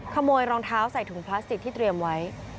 ขโมยรองเท้าใส่ถุงพลาสติกที่เตรียมไว้